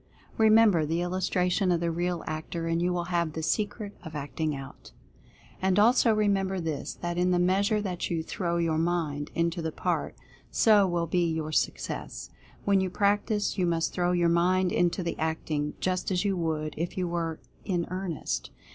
Remember the illustration of the real actor, and you will have the secret of Acting Out. 212 Mental Fascination And also remember this, that in the measure that you "throw your mind" into the part, so will be your suc cess. When you practice, you must throw your mind into the acting, just as you would if you were in earn est.